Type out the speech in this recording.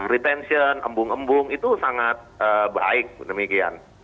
retension embung embung itu sangat baik demikian